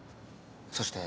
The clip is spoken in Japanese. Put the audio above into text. そして。